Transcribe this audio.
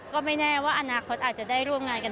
ก็ไม่แน่ว่าอนาคตอาจจะได้ร่วมงานกัน